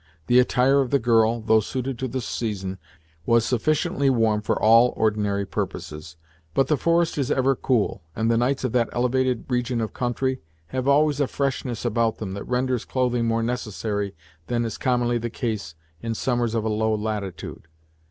The attire of the girl, though suited to the season, was sufficiently warm for all ordinary purposes, but the forest is ever cool, and the nights of that elevated region of country, have always a freshness about them, that renders clothing more necessary than is commonly the case in the summers of a low latitude.